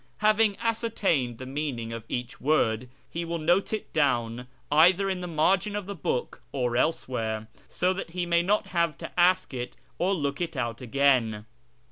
Having ascertained the meaning of each word, he will note it down either in the margin of the book or elsewhere, so that he may not have to ask it or look it out again.